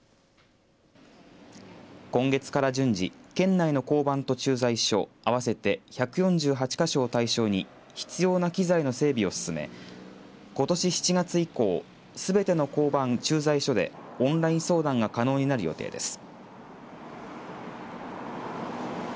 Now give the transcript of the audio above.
今月から順次県内の交番と駐在所合わせて１４８か所を対象に必要な機材の整備を進めことし７月以降すべての交番、駐在所でオンライン相談が可能になる予定です。